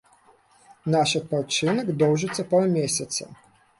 Наш адпачынак доўжыцца паўмесяца.